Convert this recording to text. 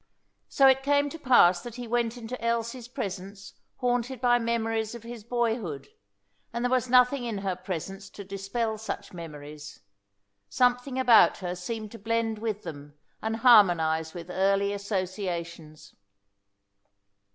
So it came to pass that he went into Elsie's presence haunted by memories of his boyhood, and there was nothing in her presence to dispel such memories; something about her seemed to blend with them and harmonise with early associations.